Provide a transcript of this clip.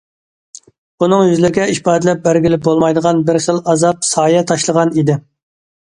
ئۇنىڭ يۈزلىرىگە ئىپادىلەپ بەرگىلى بولمايدىغان بىر خىل ئازاب سايە تاشلىغان ئىدى.